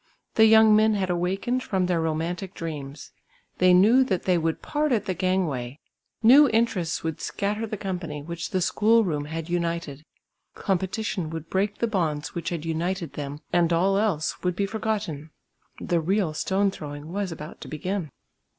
The young men had awakened from their romantic dreams; they knew that they would part at the gang way, new interests would scatter the company which the school room had united; competition would break the bonds which had united them and all else would be forgotten. The "real stone throwing" was about to begin.